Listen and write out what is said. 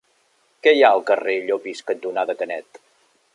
Què hi ha al carrer Llopis cantonada Canet?